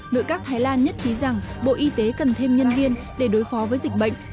nội các thái lan nhất trí rằng bộ y tế cần thêm nhân viên để đối phó với dịch bệnh